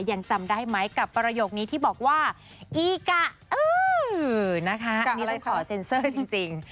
ยังจำได้ไหมกับประโยคนี้ที่บอกว่าอีกะอื้อนะคะอันนี้ต้องขอเซ็นเซอร์จริง